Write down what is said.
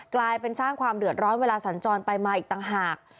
กลายเป็นสร้างความเดือดร้อนเวลาสัญจรไปมาอีกต่างหาก